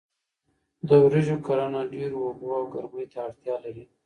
د وریژو کرنه ډیرو اوبو او ګرمۍ ته اړتیا لري.